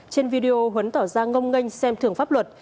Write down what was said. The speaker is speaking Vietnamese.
trên video huấn tỏ ra ngông nganh xem thưởng pháp luật